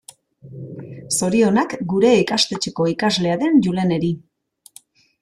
Zorionak gure ikastetxeko ikaslea den Juleneri.